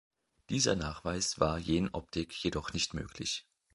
Dieser Nachweis war Jenoptik jedoch nicht möglich.